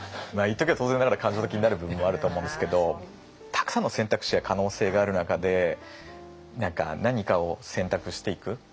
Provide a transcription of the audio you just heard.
一時は当然ながら感情的になる部分もあるとは思うんですけどたくさんの選択肢や可能性がある中で何か何かを選択していく。